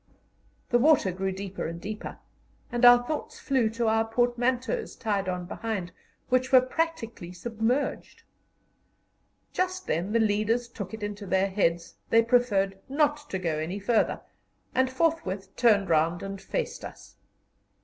The water grew deeper and deeper, and our thoughts flew to our portmanteaus, tied on behind, which were practically submerged. Just then the leaders took it into their heads they preferred not to go any farther, and forthwith turned round and faced us.